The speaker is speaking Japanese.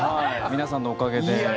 皆さんのおかげで。